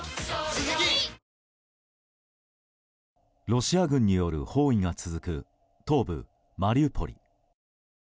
ロシア軍による包囲が続く東部マリウポリ。